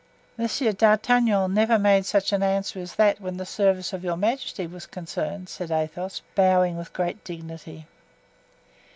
"Monsieur d'Artagnan never made such an answer as that when the service of your majesty was concerned," said Athos, bowing with great dignity.